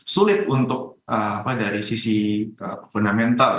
sulit untuk dari sisi fundamental